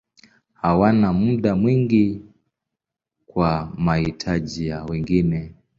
Hawana muda mwingi kwa mahitaji ya wengine.